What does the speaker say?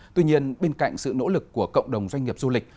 tuy nhiên bên cạnh sự nỗ lực của cộng đồng doanh nghiệp du lịch